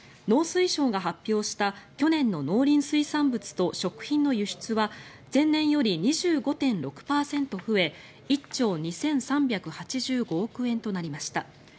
農水省が発表した去年の農林水産物と食品の輸出額は前年より２５．６％増え１兆２３８５億円となりました。